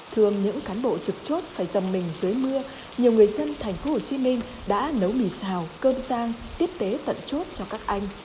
thường những cán bộ trực chốt phải dầm mình dưới mưa nhiều người dân thành phố hồ chí minh đã nấu mì xào cơm sang tiết tế tận chốt cho các anh